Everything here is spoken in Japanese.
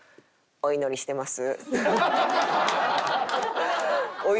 「お祈りしてます」。